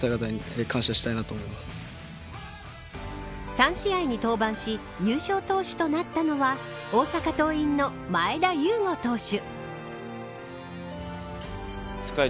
３試合に登板し優勝投手となったのは大阪桐蔭の前田悠伍投手。